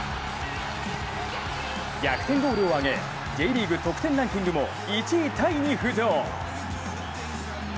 逆転ゴールをあげＪリーグ得点ランキングも１位タイに浮上。